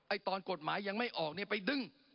ตอนกฎหมายยังไม่ออกเนี่ยไปดึง